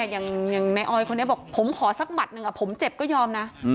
อย่างในออยคนนี้บอกผมขอสักหมัดหนึ่งผมเจ็บก็ยอมนะ